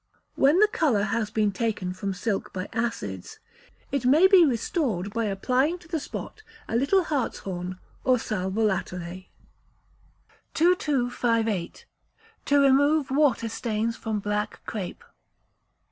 When the colour has been taken from silk by acids, it may be restored by applying to the spot a little hart's horn, or sal volatile. 2258. To Remove Water Stains from Black Crape.